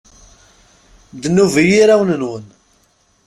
Ddnub i yirawen-nwen!